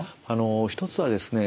一つはですね